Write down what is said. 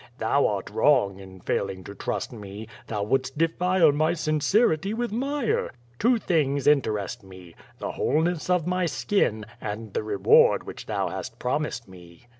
Thou art wrong in failing to trust me. Thou wouldst defile my sincerity with mire. Two things in terest me, the wholeness of my skin, and the reward which thou hast promised me."